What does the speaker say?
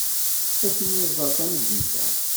Ad ten-iẓer tameddit-a.